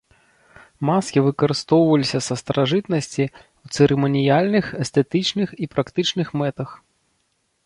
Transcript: Маскі выкарыстоўваліся са старажытнасці ў цырыманіяльных, эстэтычных, і практычных мэтах.